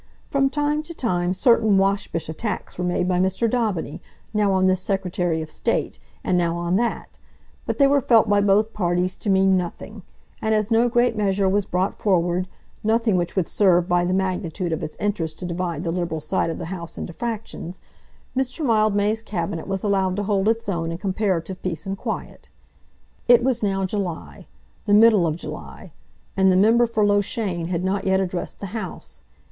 From time to time certain waspish attacks were made by Mr. Daubeny, now on this Secretary of State and now on that; but they were felt by both parties to mean nothing; and as no great measure was brought forward, nothing which would serve by the magnitude of its interests to divide the liberal side of the House into fractions, Mr. Mildmay's Cabinet was allowed to hold its own in comparative peace and quiet. It was now July, the middle of July, and the member for Loughshane had not yet addressed the House.